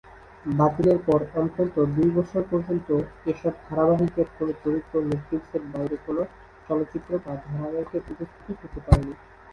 বাতিলের পর অন্তত দুই বছর পর্যন্ত এসব ধারাবাহিকের কোন চরিত্র নেটফ্লিক্সের বাইরের কোন চলচ্চিত্র বা ধারাবাহিকে উপস্থিত হতে পারেনি।